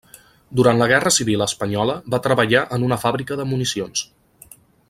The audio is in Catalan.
Durant la guerra civil espanyola va treballar en una fàbrica de municions.